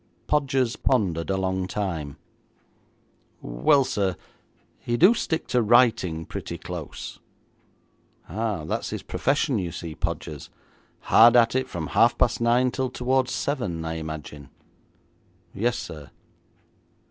Podgers pondered a long time. 'Well, sir, he do stick to writing pretty close.' 'Ah, that's his profession, you see, Podgers. Hard at it from half past nine till towards seven, I imagine?' 'Yes, sir.'